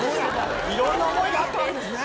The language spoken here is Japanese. いろんな思いがあったんですね。